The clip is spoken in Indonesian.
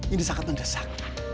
ini sangat mendesak